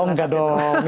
oh enggak dong